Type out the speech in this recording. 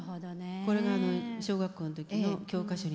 これが小学校の時の教科書に載ってまして。